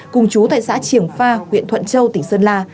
cùng chú tại xã triềng pha huyện thuận châu tỉnh sơn la